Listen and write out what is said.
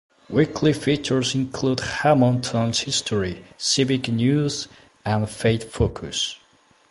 Weekly features include Hammonton's History, Civic News and Faith Focus.